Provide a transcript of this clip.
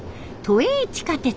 都営地下鉄